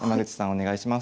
お願いします。